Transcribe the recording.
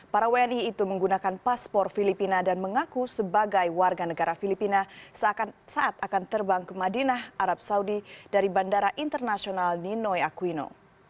para wni itu menggunakan paspor filipina dan mengaku sebagai warga negara filipina saat akan terbang ke madinah arab saudi dari bandara internasional ninoy aquino